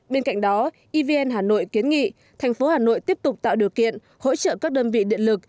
bên cạnh đó evn hà nội kiến nghị thành phố hà nội tiếp tục tạo điều kiện hỗ trợ các đơn vị điện lực